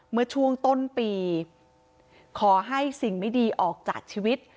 เมื่อช่วงต้นปีขอให้สิ่งไม่ดีออกจากชีวิต